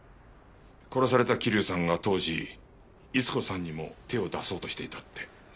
殺された桐生さんが当時逸子さんにも手を出そうとしていたって。